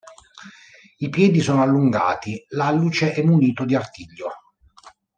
I piedi sono allungati, l'alluce è munito di artiglio.